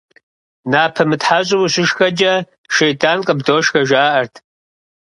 Напэ мытхьэщӀу ущышхэкӏэ, щейтӀан къыбдошхэ, жаӀэрт.